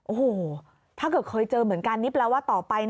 โอ้โหถ้าเกิดเคยเจอเหมือนกันนี่แปลว่าต่อไป